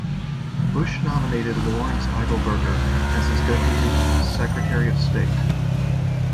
Bush nominated Lawrence Eagleburger as his Deputy Secretary of State.